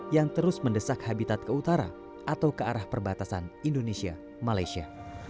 yang terus mendesak habitat ke utara atau ke arah perbatasan indonesia malaysia